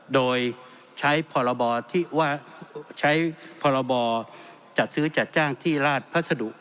โดยใช้พรบอจัดซื้อจัดจ้างที่ราชพระสดุ